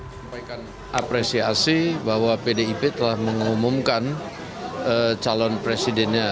menyampaikan apresiasi bahwa pdip telah mengumumkan calon presidennya